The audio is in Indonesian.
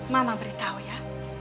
mama beritahu ya